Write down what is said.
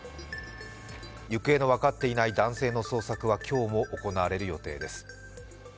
行方の分かっていない男性の捜索は今日も行われる予定です。